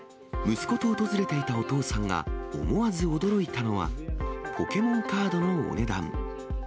息子と訪れていたお父さんが思わず驚いたのは、ポケモンカードのお値段。